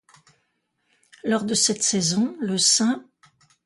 Lors de cette saison, le St.